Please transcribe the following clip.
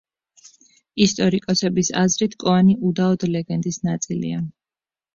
ისტორიკოსების აზრით კოანი უდაოდ ლეგენდის ნაწილია.